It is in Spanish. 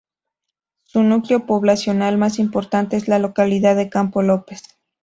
Su núcleo poblacional más importante es la localidad de Campo López.